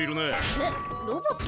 えっロボット？